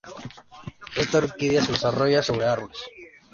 Esta orquídea se desarrolla sobre árboles.